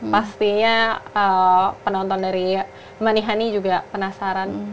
pastinya penonton dari manihani juga penasaran